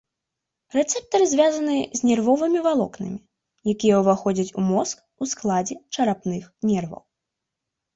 Рэцэптары звязаны з нервовымі валокнамі, якія ўваходзяць у мозг у складзе чарапных нерваў.